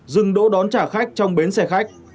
dừng đỗ đón trả khách trong bến xe khách